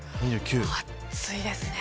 暑いですね。